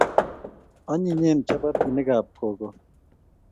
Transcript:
Anyinyen chapatinikab gogoe